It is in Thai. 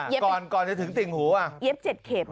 ก่อนก่อนจะถึงติ่งหูอ่ะเย็บ๗เข็ม